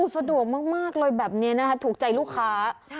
สะดวกมากเลยแบบนี้นะคะถูกใจลูกค้า